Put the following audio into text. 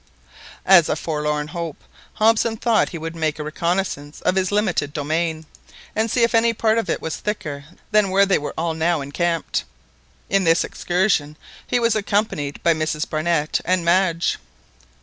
As a forlorn hope, Hobson thought he would make a reconaissance of his limited domain, and see if any part of it was thicker than where they were all now encamped. In this excursion he was accompanied by Mrs Barnett and Madge.